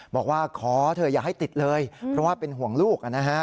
บอกว่าขอเถอะอย่าให้ติดเลยเพราะว่าเป็นห่วงลูกนะฮะ